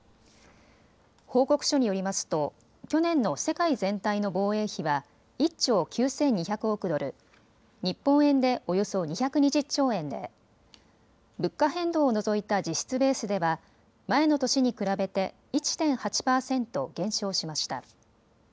報告書によりますと去年の世界全体の防衛費は１兆９２００億ドル、日本円でおよそ２２０兆円で物価変動を除いた実質ベースでは前の年に比べて１．８％減少しました。